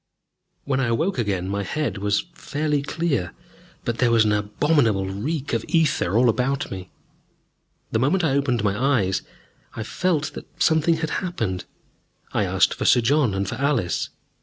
When I awoke again, my head was fairly clear, but there was an abominable reek of ether all about me. The moment I opened my eyes, I felt that something had happened. I asked for Sir John and for Alice.